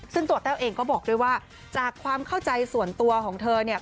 ซึ่งตัวแต้วเองก็บอกด้วยว่าจากความเข้าใจส่วนตัวของเธอเนี่ย